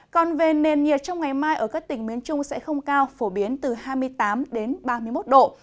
còn về nền nhiệt trong ngày mai ở các tỉnh miền trung sẽ không cao phổ biến từ hai mươi tám ba mươi một độ